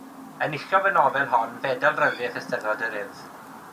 Enillodd y nofel hon Fedal Ryddiaith Eisteddfod yr Urdd.